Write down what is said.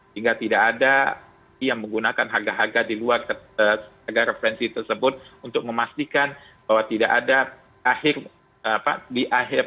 sehingga tidak ada yang menggunakan harga harga di luar harga referensi tersebut untuk memastikan bahwa tidak ada di akhir